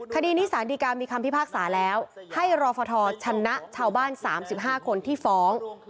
คดีนี้สารดีการมีคำพิพากษาแล้วให้รอฟทชนะชาวบ้าน๓๕คนที่ฟ้อง